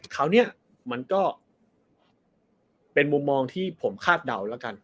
คราวนี้มันก็เป็นมุมมองที่ผมคาดเดาแล้วกัน